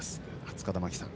塚田真希さん。